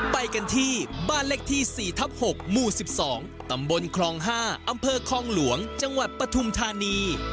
ไปกันที่บ้านเลขที่๔ทับ๖หมู่๑๒ตำบลคลอง๕อำเภอคลองหลวงจังหวัดปฐุมธานี